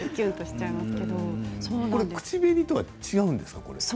口紅とは違うんですか？